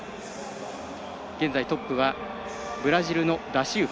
現在トップはブラジルのダシウバ。